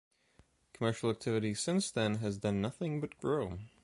Commercial activity since then has done nothing but grow.